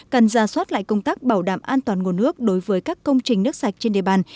cần ra soát lại công tác bảo đảm an toàn nguồn nước đối với các công trình nước sạch trên địa bàn